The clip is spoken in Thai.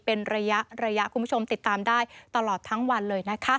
เป็นระยะระยะคุณผู้ชมติดตามได้ตลอดทั้งวันเลยนะคะ